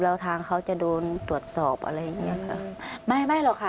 แล้วทางเขาจะโดนตรวจสอบอะไรอย่างนี้ค่ะ